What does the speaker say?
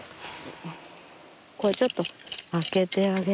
ちょっとあけてあげて。